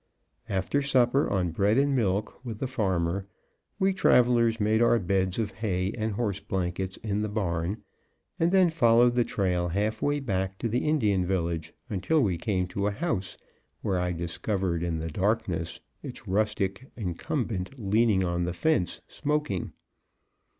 After supper on bread and milk with the farmer, we travelers made our beds of hay and horse blankets in the barn, and then followed the trail half way back to the Indian village, until we came to a house, where I discovered in the darkness its rustic incumbent leaning on the fence, smoking.